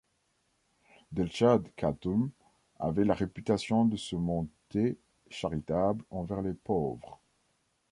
Delchâd Khâtûn avait la réputation de se monter charitable envers les pauvres.